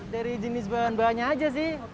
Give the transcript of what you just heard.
dari jenis bahan bahannya aja sih